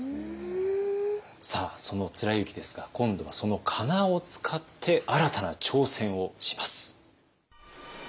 さあその貫之ですが今度はそのかなを使って新たな挑戦をします。